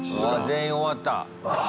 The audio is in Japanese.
全員終わった！